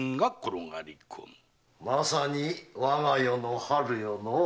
まさに我が世の春よのう。